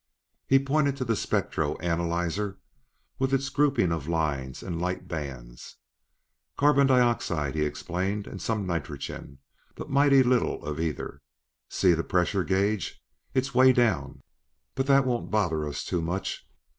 He pointed to the spectro analyzer with its groupings of lines and light bands. "Carbon dioxide," he explained, "and some nitrogen, but mighty little of either. See the pressure gage; it's way down. "But that won't bother us too much.